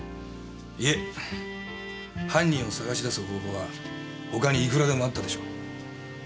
いえ犯人を捜し出す方法は他にいくらでもあったでしょう。